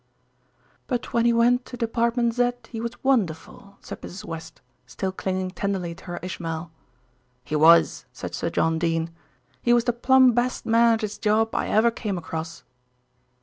"But when he went to Department Z he was wonderful," said Mrs. West, still clinging tenderly to her Ishmael. "He was," said Sir John Dene. "He was the plumb best man at his job I ever came across."